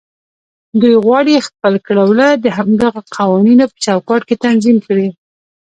دوی غواړي خپل کړه وړه د همدغو قوانينو په چوکاټ کې تنظيم کړي.